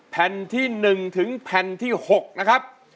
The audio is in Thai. แผ่นที่๑ถึงแผ่นที่๖นะครับ